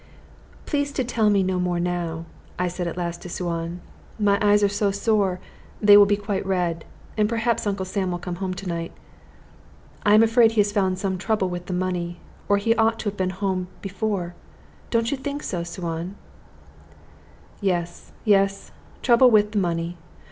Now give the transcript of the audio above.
"Please to tell me no more now," I said at last to Suan; "my eyes are so sore they will be quite red, and perhaps Uncle Sam will come home to night. I am afraid he has found some trouble with the money, or he ought to have been at home before. Don't you think so, Suan?" "Yes, yes; trouble with the money.